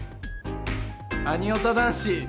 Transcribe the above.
「アニヲタ男子」。